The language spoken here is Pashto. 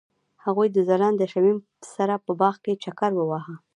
هغوی د ځلانده شمیم سره په باغ کې چکر وواهه.